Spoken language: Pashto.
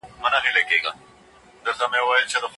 که ناروغ غوښه ونه خوري، نو ژر به روغ شي.